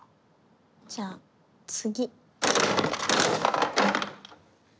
じゃあ次。